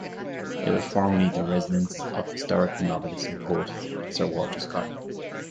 It was formerly the residence of historical novelist and poet, Sir Walter Scott.